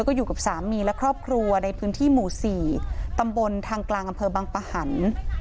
ก็อยู่กับสามีและครอบครัวในพื้นที่หมู่๔ตำบลทางกลางอำเภอบังปะหัน